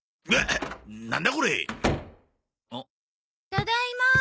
ただいま。